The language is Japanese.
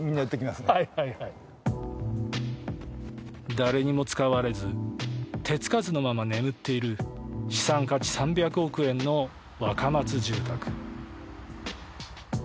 誰にも使われず手付かずのまま眠っている資産価値３００億円の若松住宅。